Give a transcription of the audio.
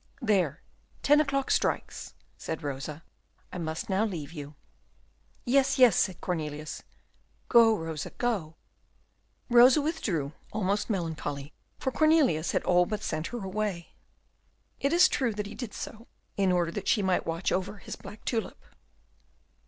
"There, ten o'clock strikes," said Rosa, "I must now leave you." "Yes, yes," said Cornelius, "go, Rosa, go!" Rosa withdrew, almost melancholy, for Cornelius had all but sent her away. It is true that he did so in order that she might watch over his black tulip.